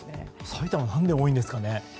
埼玉は何で多いんですかね。